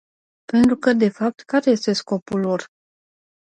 Pentru că, de fapt, care este scopul lor?